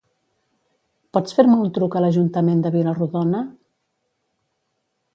Pots fer-me un truc a l'Ajuntament de Vila-rodona?